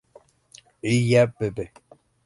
Illia- Bv.